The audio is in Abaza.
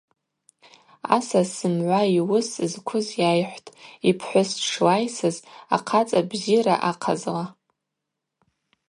Асас зымгӏва йуыс зквыз йайхӏвтӏ: йпхӏвыс дшлайсыз ахъацӏабзира ахъазла.